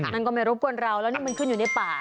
มันก็ไม่รบกวนเราแล้วนี่มันขึ้นอยู่ในป่า